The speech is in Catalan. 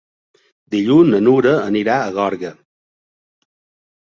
Dilluns na Nura irà a Gorga.